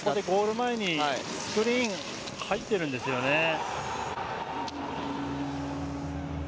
ゴール前にスクリーンが入っているんですね。